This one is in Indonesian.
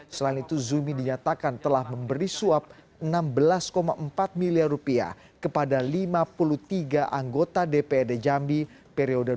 selain itu zumi dinyatakan telah memberi suap enam belas empat miliar rupiah kepada lima puluh tiga anggota dprd jambi periode dua ribu dua puluh